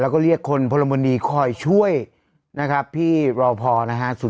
ยังไงยังไงยังไงยังไง